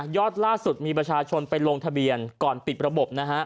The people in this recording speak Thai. ล่าสุดมีประชาชนไปลงทะเบียนก่อนปิดระบบนะฮะ